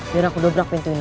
biar aku dobrak pintu ini